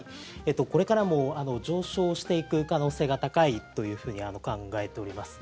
これからも上昇していく可能性が高いというふうに考えております。